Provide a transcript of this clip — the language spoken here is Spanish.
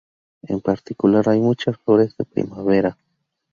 En particular, hay muchas flores de primavera.